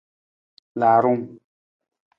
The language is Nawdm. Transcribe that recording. Laarung.